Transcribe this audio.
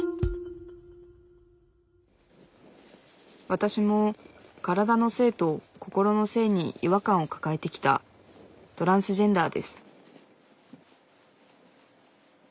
わたしも体の性と心の性に違和感を抱えてきたトランスジェンダーです